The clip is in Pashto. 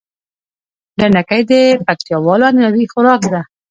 ډنډکی د پکتياوالو عنعنوي خوارک ده